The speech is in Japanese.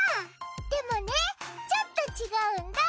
でもねちょっと違うんだ。